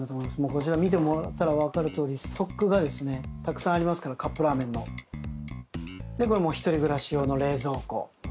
こちら見てもらったら分かるとおりストックがですねたくさんありますからカップラーメンのでこれ一人暮らし用の冷蔵庫